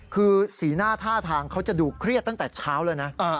คือสีหน้าท่าทางเขาจะดูเครียดตั้งแต่เช้าแล้วนะ